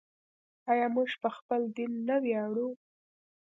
آیا موږ په خپل دین نه ویاړو؟